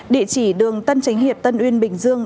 địa chỉ đường tân tránh hiệp tân uyên bình dương